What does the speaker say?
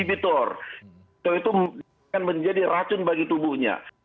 itu akan menjadi racun bagi tubuhnya